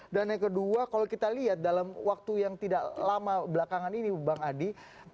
dan yang kedua kalau kita lihat dalam waktu yang tidak lama belakangan ini bang adi